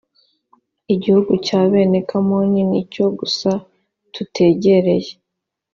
igihugu cya bene hamoni ni cyo gusa tutegereye